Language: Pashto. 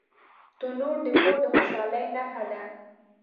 تنور د کور د خوشحالۍ نښه ده